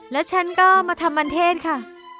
แล้วฉันก็มาทำมันเทศค่ะ